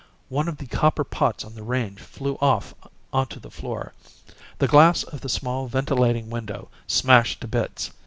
One of the copper pots on the range flew off onto the floor. The glass of the small ventilating window smashed to bits.